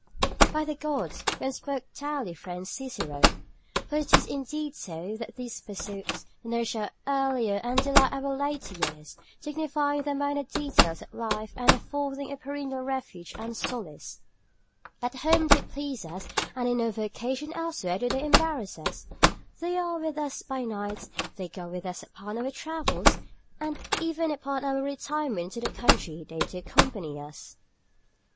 By the gods! you spoke tally, friend Cicero; for it is indeed so, that these pursuits nourish our earlier and delight our later years, dignifying the minor details of life and affording a perennial refuge and solace; at home they please us and in no vocation elsewhere do they embarrass us; they are with us by night, they go with us upon our travels, and even upon our retirement into the country do they accompany us!